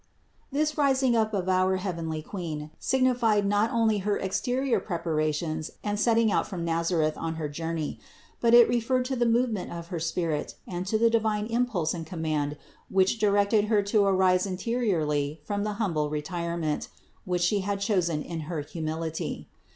This rising up of our heavenly Queen signified not only her exterior prepara tions and setting out from Nazareth on her journey, but it referred to the movement of her spirit and to the divine impulse and command which directed Her to arise in teriorly from the humble retirement, which She had chosen in her humility.